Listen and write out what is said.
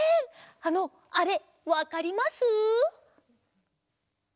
あのあれわかります？